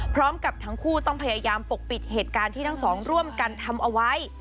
พร้อมกับทั้งคู่ต้องพยายามปกปิดเหตุการณ์ที่ทั้งสองร่วมกันทำเอาไว้